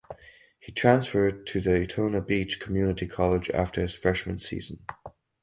He transferred to Daytona Beach Community College after his freshman season.